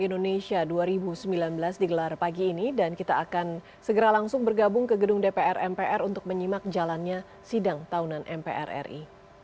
dan duduk kembali